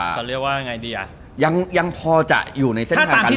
ก็เรียกว่ายังพอจะอยู่ในเส้นทางการดู